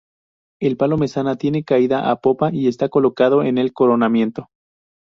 El palo mesana tiene caída a popa y está colocado en el coronamiento.